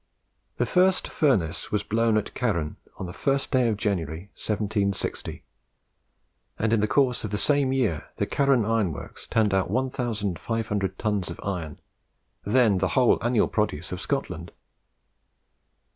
The first furnace was blown at Carron on the first day of January, 1760; and in the course of the same year the Carron Iron Works turned out 1500 tons of iron, then the whole annual produce of Scotland.